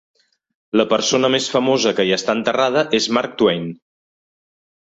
La persona més famosa que hi està enterrada és Mark Twain.